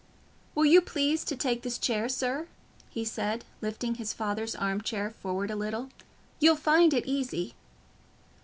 "Will you please to take this chair, sir?" he said, lifting his father's arm chair forward a little: "you'll find it easy."